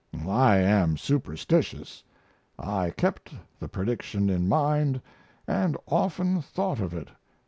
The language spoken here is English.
I am superstitious. I kept the prediction in mind & often thought of it.